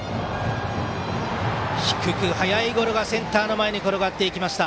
低く速いゴロがセンター前に転がりました。